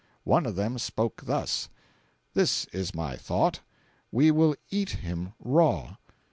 One of them spoke thus: 'This is my thought—we will eat him raw.